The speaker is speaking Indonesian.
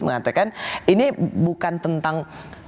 mengatakan ini bukan tentang